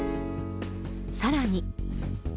さらに。